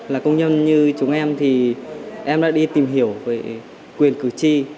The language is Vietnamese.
là công nhân như chúng em thì em đã đi tìm hiểu về quyền cử tri